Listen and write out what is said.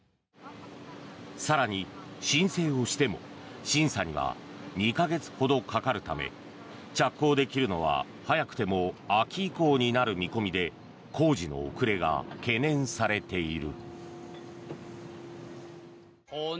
更に、申請をしても審査には２か月ほどかかるため着工できるのは早くても秋以降になる見込みで工事の遅れが懸念されている。